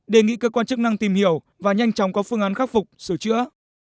đề nghị cơ quan chức năng tìm hiểu và nhanh chóng có phương án khắc phục sửa chữa